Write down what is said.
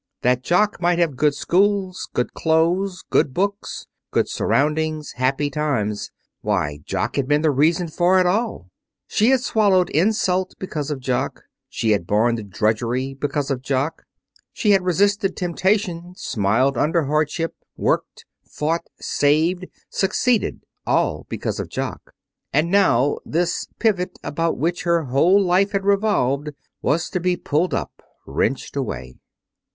That Jock might have good schools, good clothes, good books, good surroundings, happy times. Why, Jock had been the reason for it all! She had swallowed insult because of Jock. She had borne the drudgery because of Jock. She had resisted temptation, smiled under hardship, worked, fought, saved, succeeded, all because of Jock. And now this pivot about which her whole life had revolved was to be pulled up, wrenched away.